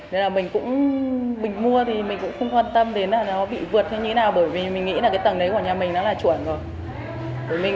nên là mình cũng mình mua thì mình cũng không quan tâm đến là nó bị vượt như thế nào bởi vì mình nghĩ là cái tầng đấy của nhà mình nó là chuẩn rồi